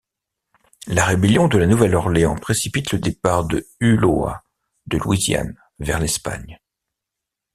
La Rébellion de La Nouvelle-Orléans précipite le départ de Ulloa de Louisiane vers l'Espagne.